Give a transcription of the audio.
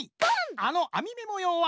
あのあみめもようは。